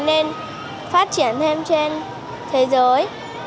nên phát triển thêm trên thế giới